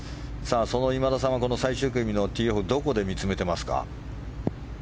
その今田さんはこの最終組のティーホールどこで見つめてますか？